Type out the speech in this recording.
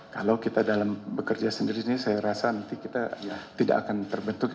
kalau kita dalam bekerja sendiri ini saya rasa nanti kita tidak akan terbentuk